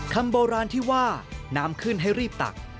คำโบราณที่ว่าน้ำขึ้นให้รีบตัก